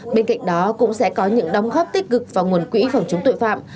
bên cạnh đó cũng sẽ có những đóng góp tích cực vào nguồn quỹ phòng chống tội phạm